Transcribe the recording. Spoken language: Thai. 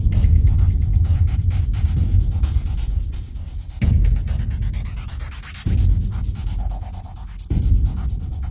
เหรออะไรของนายวว